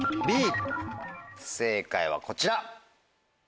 正解はこちら。